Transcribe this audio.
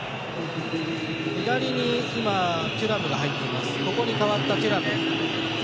左にテュラムが入っています。